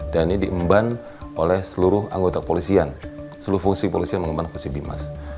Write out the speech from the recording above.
dan ini diemban oleh seluruh anggota kepolisian seluruh fungsi kepolisian mengemban fungsi bimas